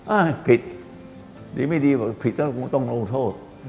อ้าวผิดนี่ไม่ดีผิดต้องโทษ